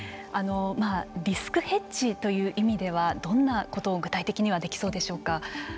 リスクヘッジという意味ではどんなことを具体的にはできそうでしょうか。